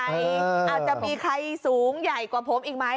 อาจจะมีใครสูงใหญ่กว่าผมอีกไหม